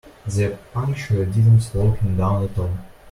The puncture didn't slow him down at all.